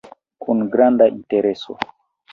Kun granda intereso.